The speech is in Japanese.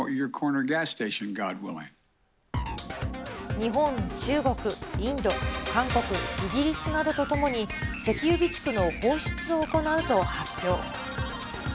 日本、中国、インド、韓国、イギリスなどとともに、石油備蓄の放出を行うと発表。